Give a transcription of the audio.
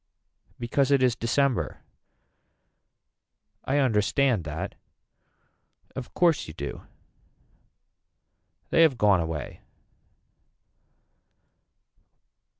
Because it is December. I understand that. Of course you do. They have gone away.